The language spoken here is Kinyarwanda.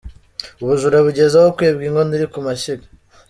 Ubujura bugeze aho kwibwa inkono iri kumashyiga